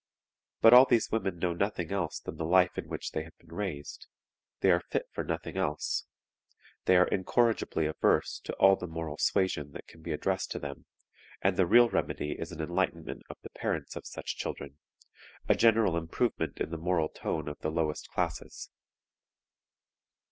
But all these women know nothing else than the life in which they have been raised; they are fit for nothing else, they are incorrigibly averse to all the moral suasion that can be addressed to them, and the real remedy is an enlightenment of the parents of such children, a general improvement in the moral tone of the lowest classes.